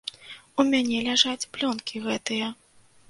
У мяне ляжаць плёнкі гэтыя.